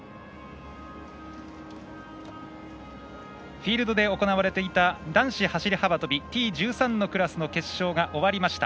フィールドで行われていた男子走り幅跳びＴ１３のクラスの決勝が終わりました。